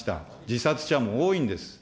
自殺者も多いんです。